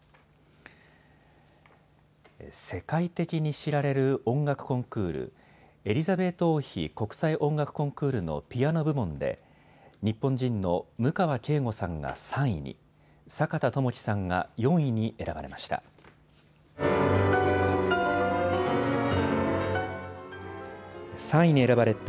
世界的に知られる音楽コンクール、エリザベート王妃国際音楽コンクールのピアノ部門で日本人の務川慧悟さんが３位に、阪田知樹さんが４位に選ばれました。